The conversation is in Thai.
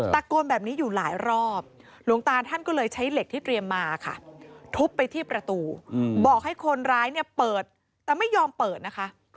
ตะโกนแบบนี้อยู่หลายรอบหลวงตาท่านก็เลยใช้เหล็กที่เตรียมมาค่ะทุบไปที่ประตูบอกให้คนร้ายเนี่ยเปิดแต่ไม่ยอมเปิดนะคะ